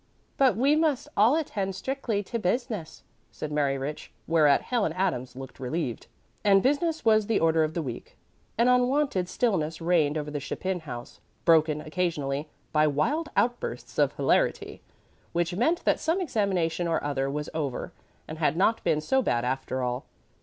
"But we must all attend strictly to business," said Mary Rich, whereat Helen Adams looked relieved. And business was the order of the week. An unwonted stillness reigned over the Chapin house, broken occasionally by wild outbursts of hilarity, which meant that some examination or other was over and had not been so bad after all.